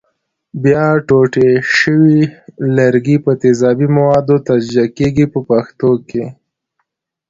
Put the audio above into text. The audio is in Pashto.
بیا ټوټې شوي لرګي په تیزابي موادو تجزیه کېږي په پښتو کې.